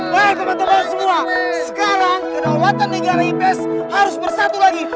wah teman teman semua sekarang kedaulatan negara ipes harus bersatu lagi